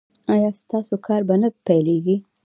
ایا ستاسو کار به نه پیلیږي؟